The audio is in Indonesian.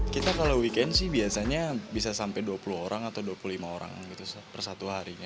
kita kalau weekend sih biasanya bisa sampai dua puluh orang atau dua puluh lima